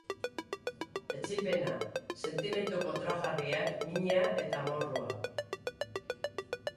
Etsipena, sentimendu kontrajarriak, mina eta amorrua.